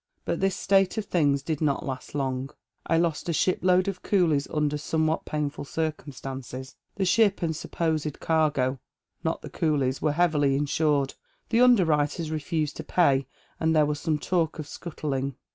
But this state of things did not last long. I lost a shipload of coolies under somewhat painful circumstances. The ship and supposed cargo, not the coolies, were heavily insured. The underwriters refused to pay, and there was some talk of scuttling.